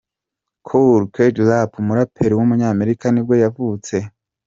Kool G Rap, umuraperi w’umunyamerika nibwo yavutse.